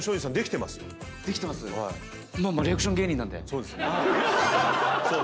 そうですよね。